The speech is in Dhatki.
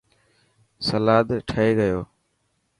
سلاد ٺهي گيو.